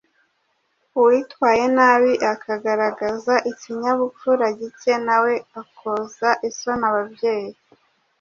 Uwitwaye nabi akagaragaza ikinyabupfura gike na we akoza isoni ababyeyi.